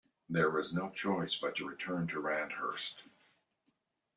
There was no choice but to return to Randhurst.